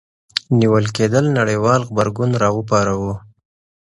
نیول کېدل نړیوال غبرګون راوپاروه.